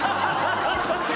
ハハハハ！